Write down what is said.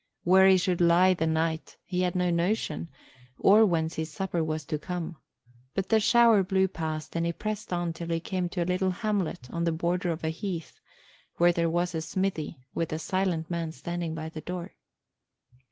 Where he should lie the night he had no notion, or whence his supper was to come; but the shower blew past and he pressed on till he came to a little hamlet on the border of a heath, where there was a smithy, with a silent man standing by the door.